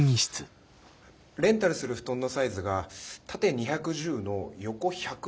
レンタルする布団のサイズが縦２１０の横１００